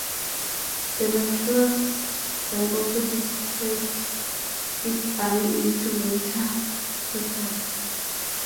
Demetrius then also dispersed his army into winter quarters.